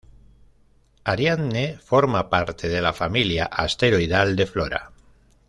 Ariadne forma parte de la familia asteroidal de Flora.